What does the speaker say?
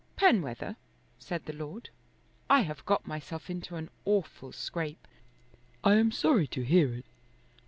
"Penwether," said the Lord, "I have got myself into an awful scrape." "I am sorry to hear it.